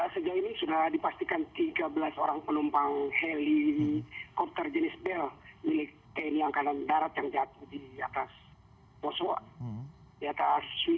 sejauh ini sudah dipastikan tiga belas orang penumpang helikopter jenis bel milik tni angkatan darat yang jatuh di atas poso